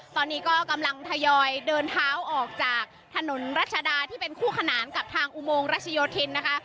ตอนนี้ก็กำลังทยอยเดินเท้าออกจากถนนรัชดาที่เป็นคู่ขนานกับทางอุโมงรัชโยธินนะคะ